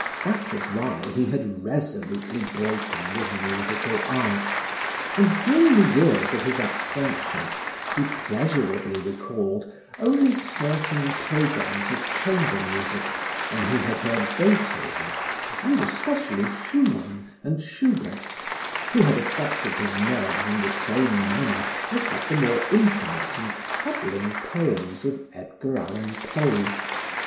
That was why he had resolutely broken with musical art, and during the years of his abstention, he pleasurably recalled only certain programs of chamber music when he had heard Beethoven, and especially Schumann and Schubert which had affected his nerves in the same manner as had the more intimate and troubling poems of Edgar Allen Poe.